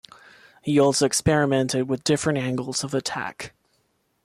He also experimented with different angles of attack.